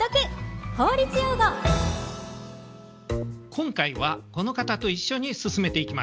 今回はこの方と一緒に進めていきましょう。